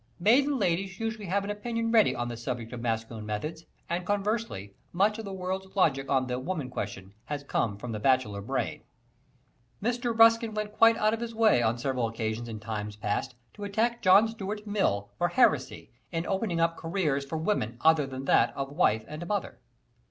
Maiden ladies usually have an opinion ready on the subject of masculine methods, and, conversely, much of the world's logic on the "woman question" has come from the bachelor brain. Mr. Ruskin went quite out of his way on several occasions in times past to attack John Stuart Mill for heresy "in opening up careers for women other than that of wife and mother."